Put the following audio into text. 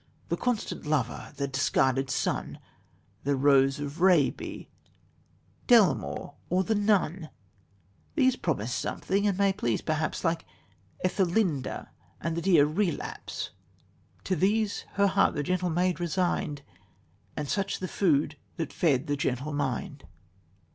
'The Constant Lover,' 'The Discarded Son,' "'The Rose of Raby,' 'Delmore,' or 'The Nun' These promise something, and may please, perhaps, Like 'Ethelinda' and the dear 'Relapse.' To these her heart the gentle maid resigned And such the food that fed the gentle mind."